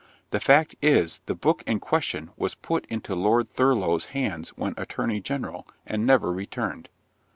The fact is, the book in question was put into Lord Thurlow's hands when Attorney General, and never returned.